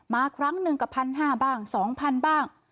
ครั้งหนึ่งกับ๑๕๐๐บ้าง๒๐๐๐บ้าง